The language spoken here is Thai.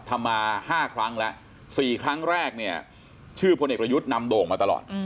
ทำมา๕ครั้งแล้ว๔ครั้งแรกเนี่ยชื่อพลเอกประยุทธ์นำโด่งมาตลอด